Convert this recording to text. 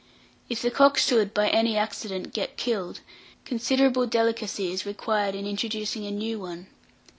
If the cock should, by any accident, get killed, considerable delicacy is required in introducing a new one.